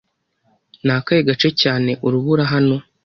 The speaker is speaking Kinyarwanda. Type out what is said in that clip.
Ni gake cyane urubura hano.